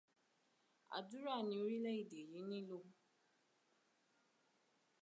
Àdúrà ni orílẹ̀-èdè yìí nílò.